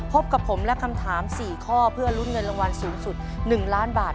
พบกับผมและคำถาม๔ข้อเพื่อลุ้นเงินรางวัลสูงสุด๑ล้านบาท